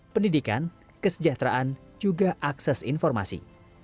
kemudian juga untuk mencari informasi